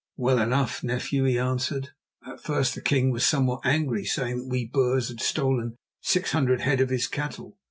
"Well enough, nephew," he answered. "At first the king was somewhat angry, saying that we Boers had stolen six hundred head of his cattle.